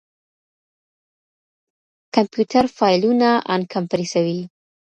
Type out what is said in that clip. کمپيوټر فايلونه اَنکمپريسوي.